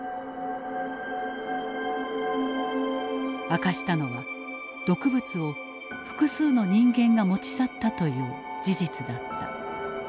明かしたのは毒物を複数の人間が持ち去ったという事実だった。